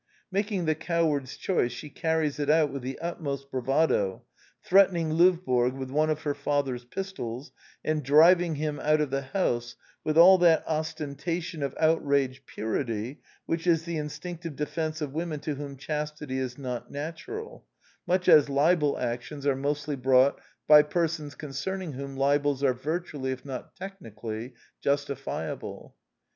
Making the coward^s choice, she carries it out with the utmost bravado, threatening Lovborg with one of her father's pistols, and driving him out of the house with all that ostentation of outraged purity which is the instinctive defence of women to whom chastity is not natural, much as libel actions are 128 The Quintessence of Ibsenism mostly brought by persons concerning whom libels are virtually, if not technically, justifiable.